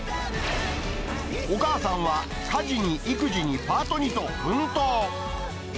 お母さんは、家事に育児にパートにと奮闘。